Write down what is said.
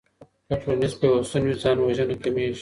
که ټولنيز پيوستون وي ځان وژنه کميږي.